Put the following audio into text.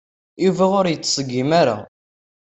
Yuba ur yettṣeggim ara.